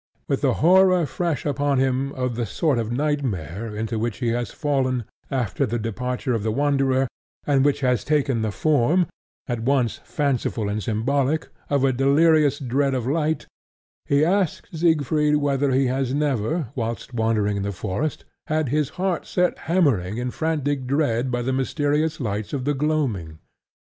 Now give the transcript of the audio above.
With the horror fresh upon him of the sort of nightmare into which he has fallen after the departure of the Wanderer, and which has taken the form, at once fanciful and symbolic, of a delirious dread of light, he asks Siegfried whether he has never, whilst wandering in the forest, had his heart set hammering in frantic dread by the mysterious lights of the gloaming.